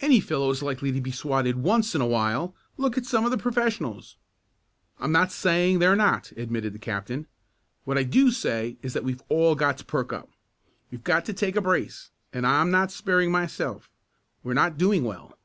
"Any fellow is likely to be swatted once in a while. Look at some of the professionals." "I'm not saying they're not," admitted the captain. "What I do say is that we've all got to perk up. We've got to take a brace, and I'm not sparing myself. We're not doing well."